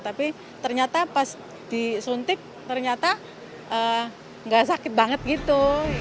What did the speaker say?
tapi ternyata pas disuntik ternyata nggak sakit banget gitu